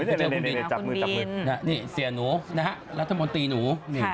ฟ่ายเจอคุณบินรัฐมนตร์ตีหนู